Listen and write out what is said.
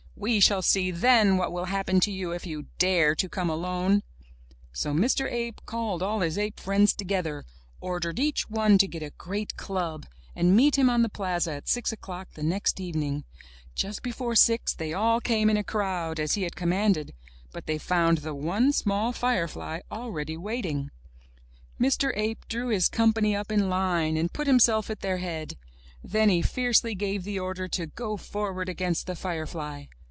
We shall see then what will hap pen to you if you dare to come alone!" So Mr. Ape called all his ape friends together, or dered each one to get a great club and meet him on the plaza at six o'clock the next evening. Just before 84 UP ONE PAIR OF STAIRS six they all came in a crowd, as he had commanded, but they found the one small firefly already waiting. Mr. Ape drew his company up in line and put him self at their head; then he fiercely gave the order to go forward against the firefly.